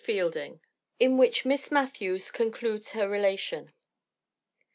Chapter ix In which Miss Matthews concludes her relation.